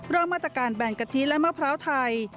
มาตรการแบนกะทิและมะพร้าวไทย